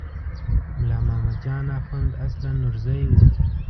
ملا محمد جان اخوند اصلاً نورزی و.